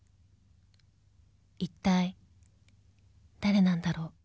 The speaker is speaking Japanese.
［一体誰なんだろう］